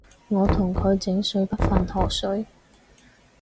我同佢井水不犯河水